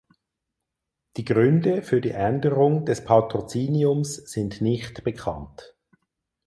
Die Gründe für die Änderung des Patroziniums sind nicht bekannt.